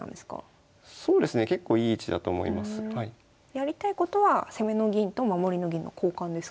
やりたいことは攻めの銀と守りの銀の交換ですか？